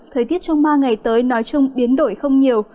thời tiết trong ba ngày tới nói chung biến đổi không nhiều